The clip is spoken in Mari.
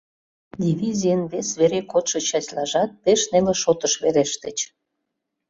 Дивизийын вес вере кодшо частьлажат пеш неле шотыш верештыч.